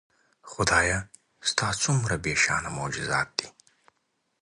خدایه ستا څومره بېشانه معجزات دي